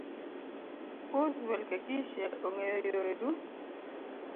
Kuz Welkekishe ong'eyo yore du